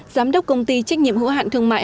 giám đốc công ty trách nhiệm hữu hạn thương mại